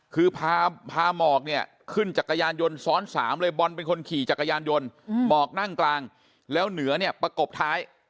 คือพาหมอกเนี่ยขึ้นจักรยานยนต์ซ้อน๓เลยบอลเป็นคนขี่จักรยานยนต์หมอกนั่งกลางแล้วเหนือเนี่ยประกบท้าย